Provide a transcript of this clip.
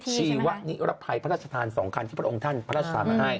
ชีวนิรภัยพระราชทาน๒คันที่พระองค์ท่านพระราชทานมาให้